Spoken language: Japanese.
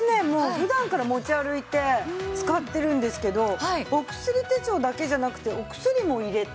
普段から持ち歩いて使ってるんですけどお薬手帳だけじゃなくてお薬も入れて。